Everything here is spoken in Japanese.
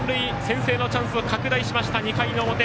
先制のチャンスを拡大しました２回の表。